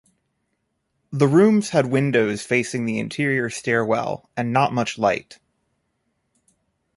The rooms had windows facing the interior stairwell and not much light.